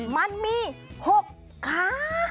มันมีหกขา